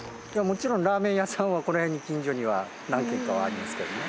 もちろんラーメン屋さんはこの辺に近所には何軒かはありますけどね。